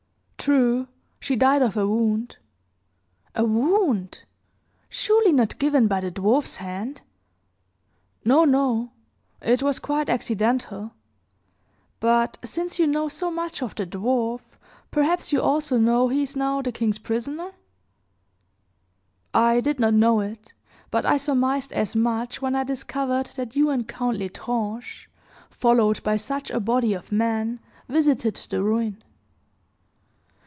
"True! She died of a wound." "A wound? Surely not given by the dwarfs hand?" "No, no; it was quite accidental. But since you know so much of the dwarf, perhaps you also know he is now the king's prisoner?" "I did not know it; but I surmised as much when I discovered that you and Count L'Estrange, followed by such a body of men, visited the ruin.